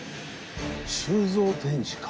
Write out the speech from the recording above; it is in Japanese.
収蔵展示か。